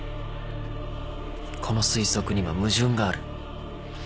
この推測には矛盾がある。